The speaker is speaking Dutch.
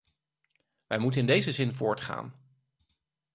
Wij moeten in deze zin voortgaan.